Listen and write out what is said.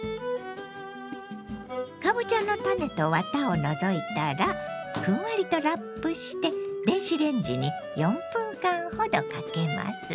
かぼちゃの種とワタを除いたらふんわりとラップして電子レンジに４分間ほどかけます。